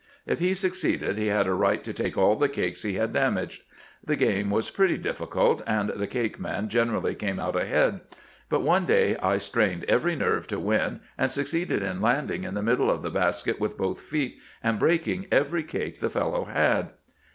If he succeeded he had a right to take aU the cakes he had damaged. The game was pretty difiicult, and the cake man generally came out ahead ; but one day I strained every nerve to win, and succeeded in landing in the middle of the basket with both feet, and breaking every cake the fellow had."